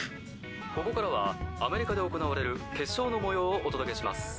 ここからはアメリカで行われる決勝のもようをお届けします。